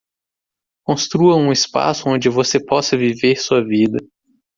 Construa um espaço onde você possa viver sua vida